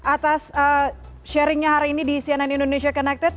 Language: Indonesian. atas sharingnya hari ini di cnn indonesia connected